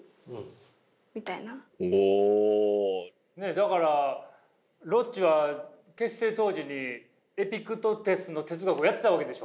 だからロッチは結成当時にエピクトテスの哲学をやってたわけでしょ？